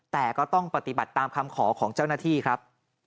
แต่ก็ต้องปฏิบัติตามคำขอของเจ้าหน้าที่ครับ